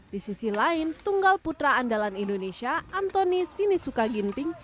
di sisi lain tunggal putra andalan indonesia antoni sinisuka ginting